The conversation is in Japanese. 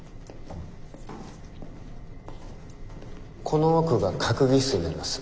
この奥が閣議室になります。